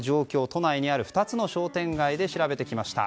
都内にある２つの商店街で調べてきました。